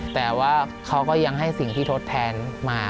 แต่ว่าเขาก็ยังให้สิ่งที่ทดแทนมา